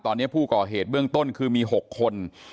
ตอนนี้ผู้ก่อเหตุเบื้องต้นคือมี๖คน